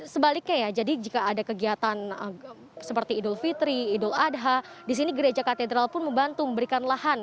sebaliknya ya jadi jika ada kegiatan seperti idul fitri idul adha di sini gereja katedral pun membantu memberikan lahan